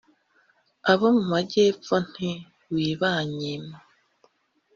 abo mu majyepfo nti ’Wibanyima!’